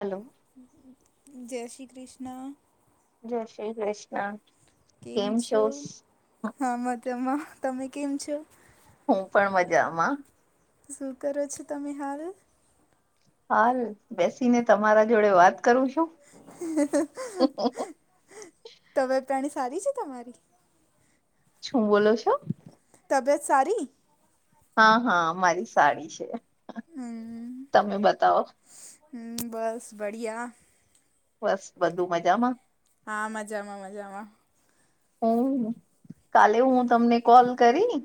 Hello જય શ્રી કૃષ્ણ. જય શ્રી કૃષ્ણ. કેમ છો. હામાં તેમાં તમે કેમ છો. હું પણ મજામાં શ કરો છો તમે હાલ હાલ બેસીને તમારા જોડે વાત કરું છું. તવે પ્રાણી સારી છે તમારી. શું બોલો છો. તબિીયત સારી હા, હા મારી સાડી છે. હમ તમે બતાવો હમ બસ બઢિયા. બસ બધું મજામાં. હા મજામાં, મજામાં હમ કાલે હું તમને કોલ કરી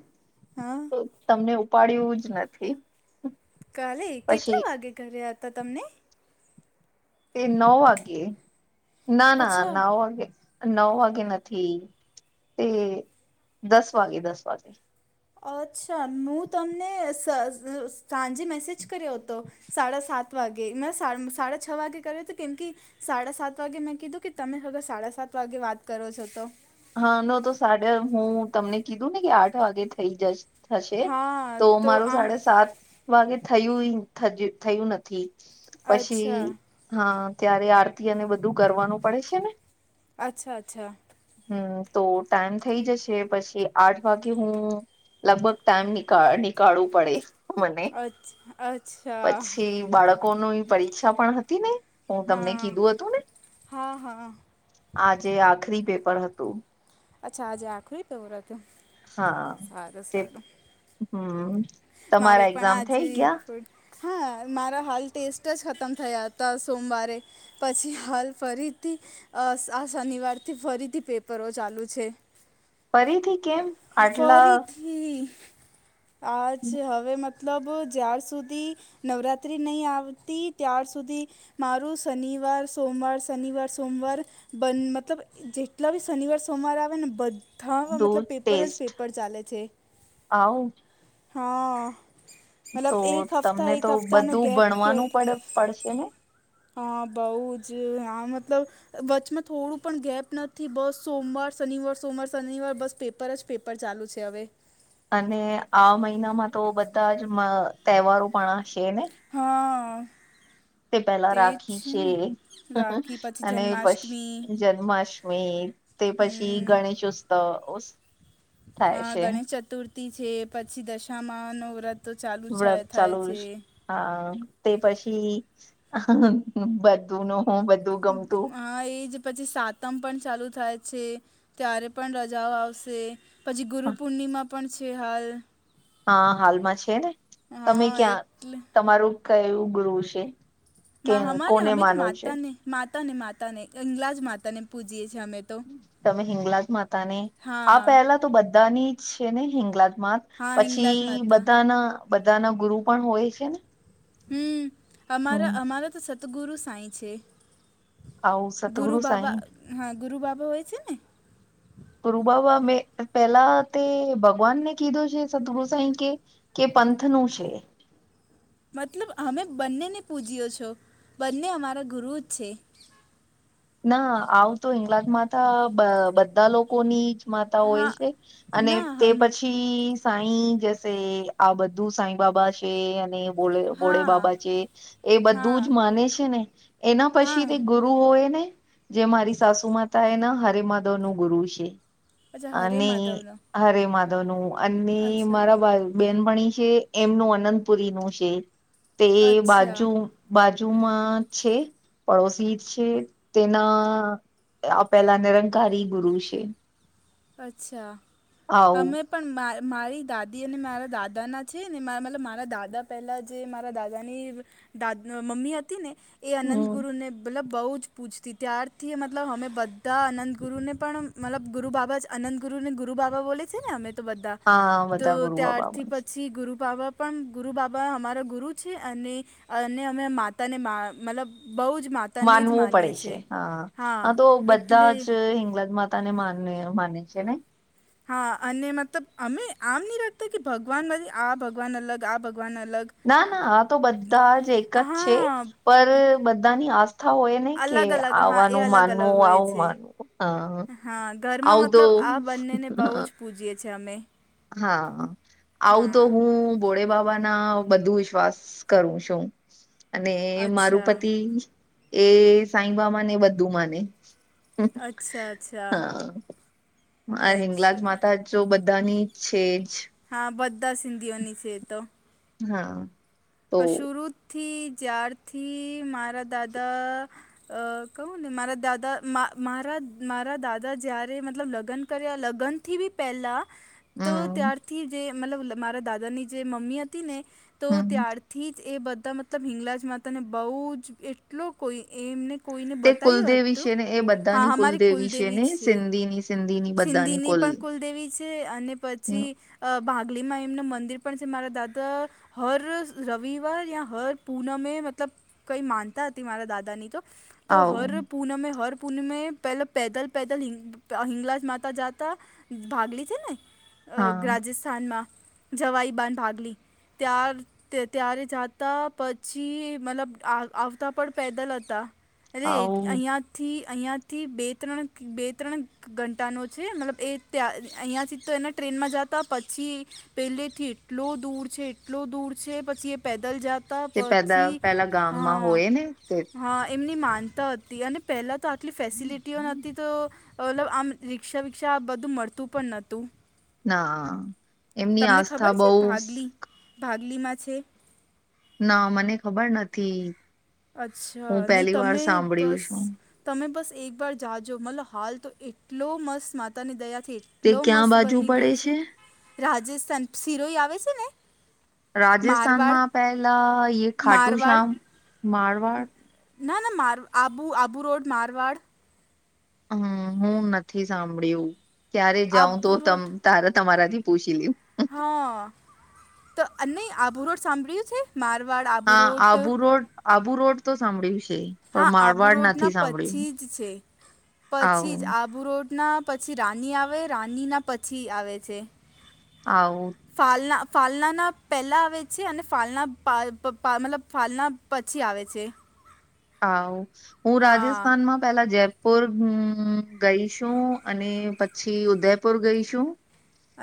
હમ્મ તો તમને ઉપાડું જ નથી કાલે પછી કેટલા વાગે કર્યા હતા તમને. એ નવ વાગે ના, ના, અચ્છા ના વાગે નવ વાગે નથી, તે દસ વાગે દસ વાગે અચ્છા હું તમને સાંજે મેસેજ કર્યો હતો. સાડા સાત વાગે મ સાડા છ. વાગે કર તો કેમકી સાડા સાત વાગે મેં કીધું કે તમેગર સાડા સાત વાગે, વાત કરો છો તો હા ન તો સાડાે હું તમને કીધું ને કે આઠ વાગે થઇ જશ. થશે હા તો મારું આ સાડાે સાત વાગે થયું, થયું નથી. પછી અચ્છા હા ત્યારે આરતી અને બધું કરવાનું પડે છે ને. અચ્છા, અચ્છા હમ તો ટાઈમ થઇ જશે પછી આઠ વાગે હું. લગભગ ટાઈમ નીકાળવું પડે મને અચ્, અચ્છા પછી બાળકોની પરીક્ષા પણ હતી ને હું તમને હા કીધું હતું ને હા હા આજે આખરી પેપર હતું. અચ્છા આજે આખરી પવર હત. હા તે હમ મારે તમારા પણ એક્ઝામ આજે થઈ ગયા હા મારા હાલ ટેસ્ટ જ ખતમ થયા હતા સોમવારે પછી હાલ ફરીથી આ શનિવારથી ફરીથી પેપરો ચાલુ છે. ફરીથી કેમ આટલા ફરીથી આ છે હવે મત મતલબ જ્યાર સુધી નવરાત્રિ નઈ આવતી ત્યાર સુધી મારું શનિવાર, સોમવાર, શનિવાર, સોમવાર બન મતલબ જેટલા બી શનિવાર, સોમવાર આવે ને બ ધામાં દૂર મતલબ પેપર જ પેપર ચાલે છે. આવુ હા તો મતલબ એક હફ્તા તમને એક તો હફ્તાનો બધું ગેપ-ગેપ ભણવાનું પડ પડશે ને હા, બઉ જ હા મતલબ વચમાં થોડું પણ ગેપ નથી. બસ સોમવાર, શનિવાર, સોમવાર, શનિવાર બસ પેપ તર જ પેપર ચાલુ છે હવે. અને આ મહિનામાં તો બધા જ મ તહેવારો પણ હશે નઈ હા તે પેલા રાખી છે રાખી પછી અને પશ જન્માષ્ટમી જન્માશ મી તે પશી હમ, ગણેશઉત્સવ ઉશ હન, ગણેશ ચતુર્થી છે, પછી દશામાનું વ્રત તો ચાલુ છાય થાય છે. હન, તે પછી બધું નો બ હમ, હા એ જ પછી સાતમ પણ ચાલુ થાય છે, ત્યારે પણ રજાઓ આવશે પછી ગુરુ પૂર્ણિમા પણ છે હાલ હા, હાલમાં છે ને. તમે હા ક્યાં, એટલે તમારું કયું ગુરુ છ. મા હમારે અમે તો માતાને, માતાને, માતાને ઇંગ્લાજ માતાને પૂજીએ છીએ અમે તો તમે હિંગલાજ માતાને, આ હા પહેલા તો બધાની જ છે ને હિંગલાજ મા હા પછી હિંગલાજ માતા બધાના-બધાના ગુરુ પણ હોય છેને. હમ, હમારા અમારા તો સતગુરુ સાંઈ છે. આવું ગુરુ સતગુરુ બાબા, સાઈ હન, ગુરુ બાબા હોય છેને. ગુરુબાબા મે પેલા તે ભગવાનને કીધો છે સતગુરુ સાઈ કે કે પંથનું છે. મતલબ અમે બંનેને પૂજ્યો છો, બંને અમારા ગુરુ જ છે. ના, આવુ તો હિંગલાજમાતા બ-બધા લોકોની માતા હોય હા છે, અને ના તે હમ પછી ઈ સાઈ જશે, આ બધુ સાઈ બાબા છે, અને બોલે ભોળે હા બાબા છે એ બધું જ હા માને છે ને એના હા પછીથી ગુ ગુરુ હોય ને, જે મારી સાસુ માતા એના હરેમાધવનું ગુરુ છે. અચ્છા હરે અને માધવનો હરેમાધવનું અને અચ્છા મારા બાઈ બેનપણી છે, એમનું અનંતપુરીનું છે તે અચ્છા બાજુ બાજુમાં છે, પડોશી જ છે. તેના આ પેલા નિરંકારી ગુરુ છે. અચ્છા, આવું હમે પણ મા-મારી દાદી અને મારા દાદાના છેને, મા મતલબ મારા દાદા પહેલાં જે મારા દાદાની દાદ મમ્મી હતી ને એ હમ અનંતગુરુને મતલબ બઉ જ પૂજતી, ત્યારથી મતલબ હમે બધા અનંતગુરુને પણ મતલબ ગુરુ બાબા અનંતગુરુને ગુરુબાબા બોલે છે ને અમે તો બધા, હા બધા તો ગુરુ બાબા ત્યારથી પછી ગુરુબાબા પણ ગુરુ બાબા અમારા ગુરુ છે, અને અને અમે માતાને મા મતલબ બઉ જ મા માનવું પડે છે હા, હન તો બધા એટલે જ હિંગલાજમા તાને માને માને છે ને. હા, અને મતલબ અમે આમ ની રાખતા કે ભગવાનમાંથી આ ભગવાન અલગ આ ભગવાન અલગ ના, ના, આ તો બધા જ એક જ છે હા પર બધાની આ હોય નહ કે અલગ અલગ હા એ આવાનું અલગ અલગ માનવું હોય આવું છે માનવુ હ હા હદ પૂજીીએ છે અમે હા આવું તો હા હું ભોડે બાબા ના બધું વિશ્વાસ કરું છું. અને મારું અચ્છા પતિ એ સાઈબાબા ને બધુ માને અચ્છા અચ્છા હા. અને હિંગલાજ અચ્છા માતા જો બધાની જ છે જ. હા બધા સિંધીઓની છે એ તો. હા. તો પણ શુરુ થી જ્યારથી મારા દાદા અ કહું ને મારા દાદા મારા મારા દાદા જ્યારે મતલબ લગ્ન કરયા લગ્ન થી બી પેલા તો હમ ત્યારથી જે મતલબ મારા દાદાની જે મમ્મી હતી ને તો હમ ત્યાં ત્યાર થી જ એ બધા મતલબ હિંગલાજ માતા ને બો જ એટલો કોઈ એમને કોઈને તે બતાવ્યું કુલદેવી હતું છે ને હા અમારી કુલદેવી છે. કૂલદેવી સિંધીની. બધાની સિંધીની કુલ પણ કુલદેવી છે અને પછી અ ભાગલીમાં એમનું મંદિર પણ છે મારા દાદા હર રવિવાર યા હર પૂનમે મતલબ કઈ માનતા હતી મારા દાદાની તો તો આવ હર પુનમે હર પુનમે પહેલા પેદલ પેદલ હિંગ હિંગલાજ માતા જાતા ભાગલી છે ને હા રાજ રાજસ્થાન માં જવાઈબાન ભાગલી ત્યા ત્યારે જાતા પછી મતલબ આવતા પણ પેદલ હતા. અરે આવું અહીંયાથી અહીંયાથી બે ત્રણ બે ત્રણ ઘં ઘંટા નો છે મતલબ એ ત્યાં અહીંયાથી તો એને ટ્રેનમાં જાતા પછી પેલેથી એટલો દૂર છે, એટલો દૂર છે પછી પેદલ જાતા તે પેદા પછી પેલા ગામમાં હા હોય ને તે હા એમની માનતા હતી અને પેલાં તો આટલી ફેસિલિટીઓ નથી તો મતલબ આમ રી્ષા વિકષા આ બધું મળતું પણ નતું. ના એમની આસ્થા ખબર છે બોવ ભાગલી મા છે. ના મને ખબર નથી. અચ્છા હું નય પહેલી વાર તમે સાંભળ્યું બસ છું તમે બસ એકવાર જાજો મતલબ હાલ તો એટલો મસ્ત માતાની દયાથી જ તે એટલો ક્યાં મસ્ત બાજુ બની પડે ગયો છે રાજસ્થાન શિરોઈ આવે છે ને મારવાડ રાજસ્થાનમાં પેલા યે મારવાડ ખાટુંશ્યામ માર ના ના માર આબુ આબુ રોડ મારવાડ હમમ હું નથી સાંભળ્યું ક્યારે જાઉં તો આબુ તમ રોડ તારે તમારા થી પૂછી લવ. હા તો નય આબુરોડ સાંભળ્યું છે મારવાડ આબુ રોડ. આબુરોડ તો સાંભળયુ છે. હા પણ મારવાડ આબુરોડ ના નથી સાંભળ્યું પછી જ છે પછી જ આવું આ આબુરોડ ના પછી રાની આવે રાની ના પછી આવે છે. આવું ફાલના ફાલના ના પહેલા આવે છે અને ફાલના આ મતલબ ફાલના પછી આવે છે. હા હું હા રાજસ્થાનમાં પેલા જયપુર હમમ ગઈ છું અને પછી ઉદયપુર ગઈ છું.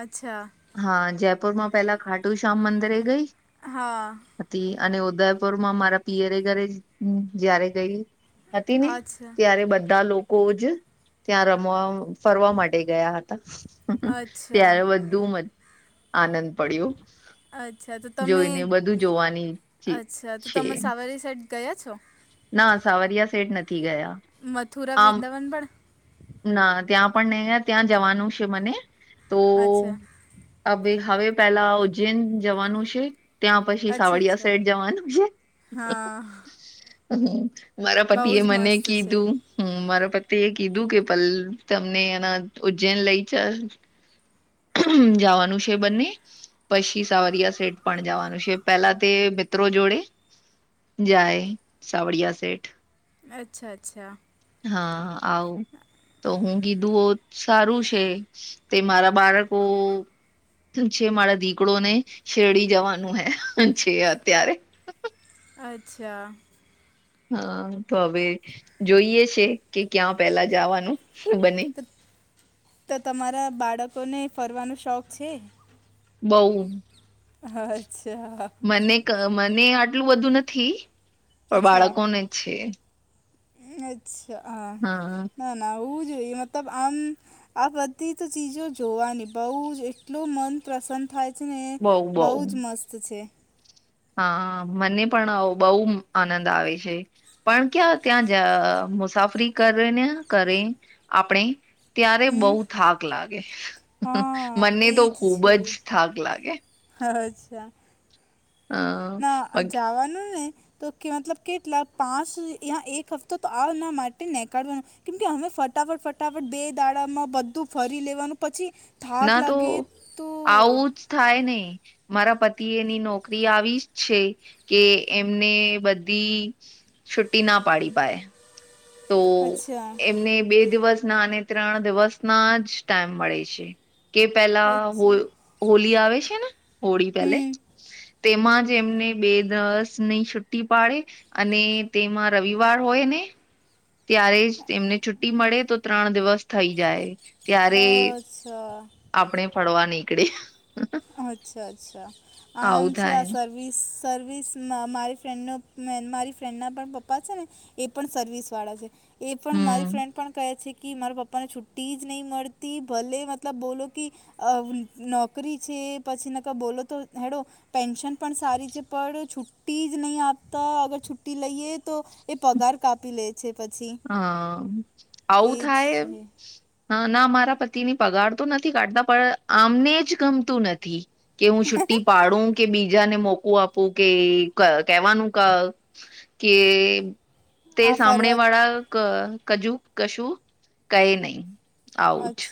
અચ્છા. હા જયપુર માં પેલા ખાટુ શ્યામ મંદિરે ગઈ. હા. હતી અને ઉદયપુર માં મારા પિયરે ઘરે જયારે ગઈ હતી ને અચ્છા ત્યારે બધા લોકો જ ત્યાં રમવા ફરવા માટે ગયા હતા અચ્છા ત્યારે બધું મ આનંદ પડ્યુ. અચ્છા તો તમે અચ્છા તો છે તમે સાવરી સાઇડ ગયા છો. ના સાવરિયા સેઠ નથી ગયા. મથુરા આમ વૃંદાવન પણ. ના ત્યાં પણ નહી ત્યાં જવાનું છે મને તો અચ્છા હવે પેલા ઉજ્જૈન જવાનું છે. ત્યાં પછી અચ્છા સાવળિયા અચ્છા સઈડ જવાનું છે. હા મારા પતિ બહુ જ એ મને મસ્ત છે કીધું હમ મારા પતિ એ કીધું કે પલ તમને એના ઉજ્જૈન લઈ ચાલ જવાનું છે બંને પછી સાવરિયા સેઠ પણ જવાનું છે પેલા તે મિત્રો જોડે જાય સાવડિયા સેઠ. અચ્છા અચ્છા. હા આવ તો હું કીધું સારું છે તે મારા બારકો છે મારા દીકડો ને શેરડી જવાનું હે છે અત્યારે અચ્છા. હા તો હવે જોઈએ છે કે ક્યાં પેલા જવાનું શું બને તો તો તમારા બાળકો ને ફરવાનો શોખ છે. બઉ. અચ્છા. મને મને આટલું બધું નથી પણ અચ્છા બાળકોને છે. અચ્છા હા ના ના હોવું જોઈએ મતલબ આમ આ બધી જ ચીજો જોવાની બહ જ એટલો મન પ્રસન્ન થાય છે ને બઉ બઉ બહુ જ મસ્ત છે. હા મને પણ બહુ આનંદ આવે છે પણ ક્યાં ત્યાં જ અ મુસાફરી કરેને કરે આપણે ત્યારે બઉ હમ થાક લાગે હા મને એ તો ખુબ છે જ થાક લાગે. અચ્છા. અ ના બાકી જાવાનું ને. તો કે મતલબ કે એટલા પાંચં એક હફ્તો તો આવના માટે નહીં કાઢવાનું કેમ કે અમે ફટાફટ ફટાફટ બે દાડામાં બધું ફરી લેવાનું પછી થાક ના તો લાગે તો આવું જ થાય ની મારા પતિ એની નોકરી આવી જ છે કે એમને બધી છુટી ના પાડી પાય તો અચ્છા એમને બે દિવસ નાને ત્રણ દિવસ ના જ ટાઈમ મળે છે કે પેલા હો અચ્છા હોલી આવે છે ને હોળી પેલે હમ તેમાં જ એમને બે દસ ની છુટી પાડે અને તેમાં રવિવાર હોય ને ત્યારે જ તેમને છુટી મળે તો ત્રણ દિવસ થઈ જાય ત્યારે અચ્છા આપણે ફડવા નીકળે. અચ્છા અચ્છા આમ આવું છે આ થાય સર વીસ સર્વીસ મા મારી ફ્રેન્ડનો મારી ફ્રેન્ડના પણ પપ્પા છે ને એ પણ સર્વિસ વાળા છે એ પણ હમ મારી ફ્રેન્ડ પણ કહે છે કે મારા પપ્પ પાને છુટી જ નહી મળતી ભલે મતલબ બોલો કે અ નો છોકરી છે પછીને ક બોલો તો હેડો પેન્શન પણ સારી છે પડ છુટ્ટી જ નહીં આપતા અગર છુટ્ટી લઈએ તો એ પગાર કાપી લે છે પછી. હા આવું એ જ થાય એમ. છે હા ના મારા પતિની પગાર તો નથી કાઢતા પણ આમને જ ગમતું નથી કે હું છુ્ટી પાડું કે બી. બીજાને મોકું આપું કે ક કેવાનું કા કે. તે આ સામણે ફરવા વાળા ક કજું કશું કહે નહી. આવું અચ્છ જ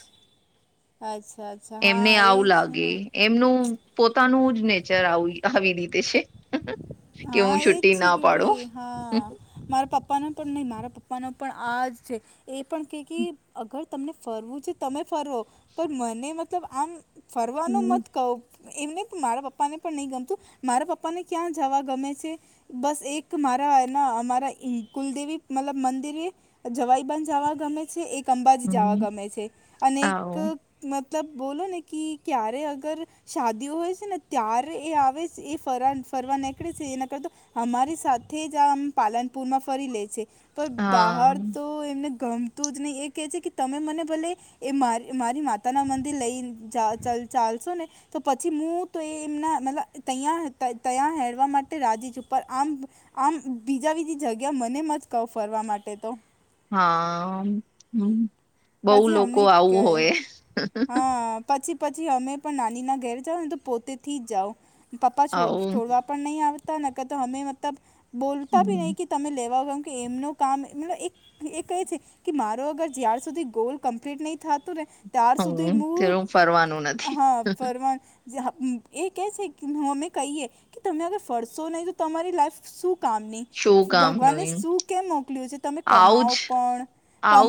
અચ્છા. અચ્છા એમને હા એ આવું જ છે લાગે. ને એમનું પોતાનું જ નેચર આવુ આવી રીતે છે. કે હું હા એ જ છુટ્ટી છે ના કે પાડું ભાઈ હા. મારા પપ્પાનો પણ નહી મારા પપ્પાનો પણ આજ છે. એ પણ કે કે અગર તમને ફરવું છે તમે ફરવો પણ મને મતલબ આમ ફરવાનું હમ મત કહો એમને મારા પપ્પા ને પણ નહીં ગમતું મારા પપ્પાને ક્યાં જાવા ગમે છે બસ એક મારા એના અમારા ઈ કુલદેવી મતલબ મંદિરે જવાઈ બંધ જાવા ગમે છે એક અંબાજી જાવા હમ ગમે છે અને એક આવ મતલબ બોલો ને કી ક્યારે અગર શાદીઓ હોય છે ને ત્યારે એ આવે છે એ ફર ફરવા ને નીકળે છે એના કરતા અમારી સાથે જ આમ પાલનપુર માં ફરી લે છે. પણ હા બહાર તો એમને ગમતું જ નહીં એ કહે છે કે તમે મને ભલે એ મારી મારી માતા ના મંદિર લઈ ચ ચલ ચાલશો ને તો પછી મુ તો એ એમના મતલબ તયા હતા તયા હેળો ફરવા માટે રાજી છું પર આમ આમ બીજા બીજી જગ્યા મને મત કહો ફરવા માટે તો હા બહુ પછી લોકો અમને આવું કહે હોય. હા પછી પછી અમે પણ નાની ના ઘેર જાઓ ને તો પોતે થી જ જાઓ પપ્પા છોડ આવું છોડવા પર નહી આવતા ન કતો હમે મતલબ બોલતા ભી નહી હમ, કે તમે લેવા આઉ કે એમનું કામ મતલબ એક એ કહે છે કે મારો અગર જ્યાર સુધી ગોલ કમ્પ્લીટ નહી થાતો ને ત્યાર સુધી હું મુ તેનું ફરવાનું નથી હા ફરવા જે એ કહે છે અમે કહીએ કે તમે અગર ફરશો નહીં તો તમારી લાઈફ શું કામ નહી શું કામનું ભગવાને એમ શું કેમ મોકલ્યું છે તમે આવું કમાઓ જ પણ આવું